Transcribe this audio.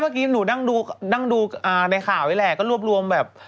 เมื่อกี้หนูดังดูในข่าวนี่แหละก็รวบรวมแบบ